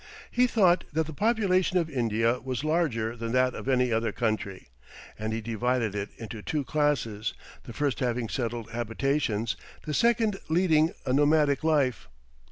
He thought that the population of India was larger than that of any other country, and he divided it into two classes, the first having settled habitations, the second leading a nomadic life.